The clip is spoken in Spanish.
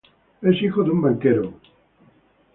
Es hijo de un banquero.